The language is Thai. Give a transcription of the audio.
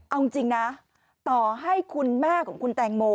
เอาจริงนะต่อให้คุณแม่ของคุณแตงโม